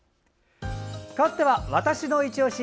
かわっては「＃わたしのいちオシ」